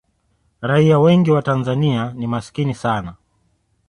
raia wengi wa tanzania ni masikini sana